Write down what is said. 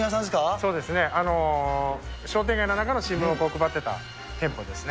そうですね、商店街の中の新聞を配ってた店舗ですね。